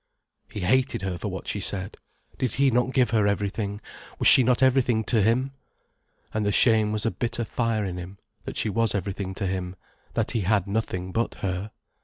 He hated her for what she said. Did he not give her everything, was she not everything to him? And the shame was a bitter fire in him, that she was everything to him, that he had nothing but her.